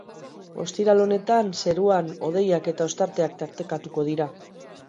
Ostiral honetan zeruan hodeiak eta ostarteak tartekatuko dira.